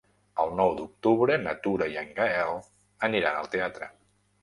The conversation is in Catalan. El nou d'octubre na Tura i en Gaël aniran al teatre.